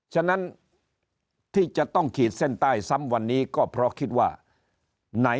ฉะนั้นที่จะต้องขีดเส้นใต้ซ้ำวันนี้ก็เพราะคิดว่าไหน